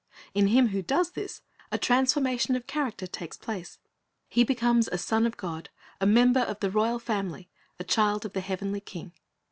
In him who does this, a transformation of character takes place. He becomes a son of God, a member of the royal family, a child of the heavenly King.